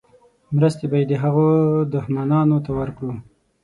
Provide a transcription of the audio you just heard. مرستې به یې د هغه دښمنانو ته ورکړو.